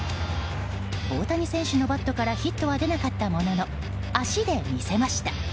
大谷選手のバットからヒットは出なかったものの足で見せました。